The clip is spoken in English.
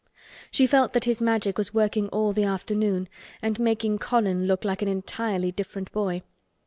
She felt that his Magic was working all the afternoon and making Colin look like an entirely different boy.